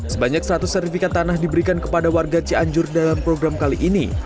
sebanyak seratus sertifikat tanah diberikan kepada warga cianjur dalam program kali ini